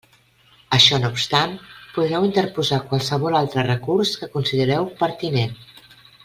Això no obstant, podreu interposar qualsevol altre recurs que considereu pertinent.